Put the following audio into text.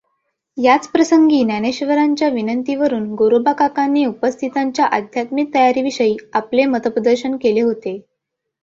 याच प्रसंगी संत ज्ञानेश्वरांच्या विनंतीवरून गोरोबाकाकांनी उपस्थितांच्या आध्यात्मिक तयारीविषयी आपले मतप्रदर्शन केले होते.